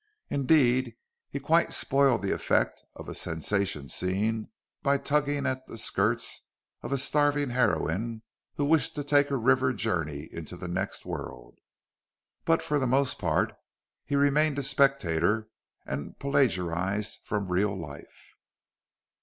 Indeed, he quite spoiled the effect of a sensation scene by tugging at the skirts of a starving heroine who wished to take a river journey into the next world. But for the most part, he remained a spectator and plagiarised from real life.